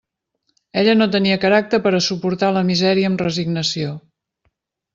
Ella no tenia caràcter per a suportar la misèria amb resignació.